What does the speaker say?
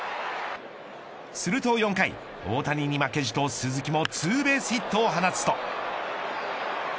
すると４回大谷に負けじと鈴木もツーベースヒットを放つと。